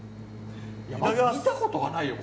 まず見たことがないよ